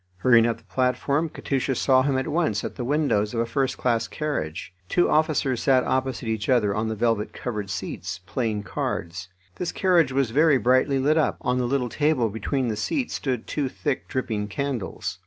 Hurrying up the platform, Katusha saw him at once at the windows of a first class carriage. Two officers sat opposite each other on the velvet covered seats, playing cards. This carriage was very brightly lit up; on the little table between the seats stood two thick, dripping candles.